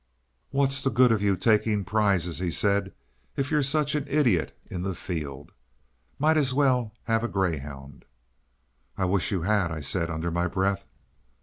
"What's the good of your taking prizes," he said, "if you're such an idiot in the field? might as well have a greyhound." "I wish you had," I said under my breath.